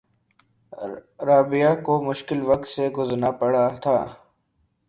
رابعہ کو مشکل وقت سے گزرنا پڑا تھا